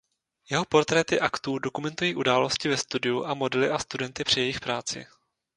Jeho portréty aktů dokumentují události ve studiu a modely a studenty při jejich práci.